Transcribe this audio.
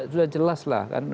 sudah jelas lah